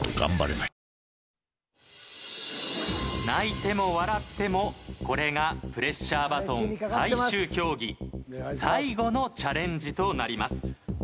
泣いても笑ってもこれがプレッシャーバトン最終競技最後のチャレンジとなります。